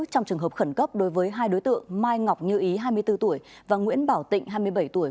trong trường hợp khẩn cấp đối với hai đối tượng mai ngọc như ý hai mươi bốn tuổi và nguyễn bảo tịnh hai mươi bảy tuổi